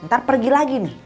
ntar pergi lagi nih